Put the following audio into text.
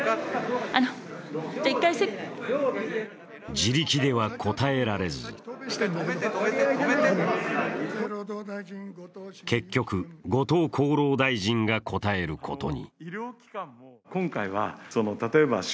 自力では答えられず結局、後藤厚労大臣が答えることに。